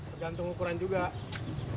tergantung ukuran juga